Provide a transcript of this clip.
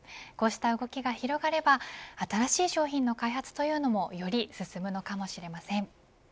こうした動きが広がれば新しい商品の開発というのもより進むのかもしれません。